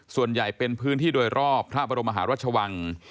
ส่วนใหญ่เป็นพื้นที่โดยรอบพระบรมหารัชวัง